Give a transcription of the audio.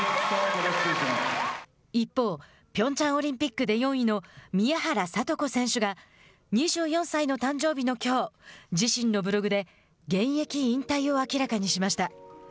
一方、ピョンチャンオリンピックで４位の宮原知子選手が２４歳の誕生日のきょう自身のブログで現役引退を明らかにしました。